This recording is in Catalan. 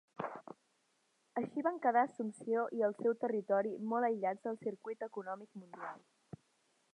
Així van quedar Assumpció i el seu territori molt aïllats del circuit econòmic mundial.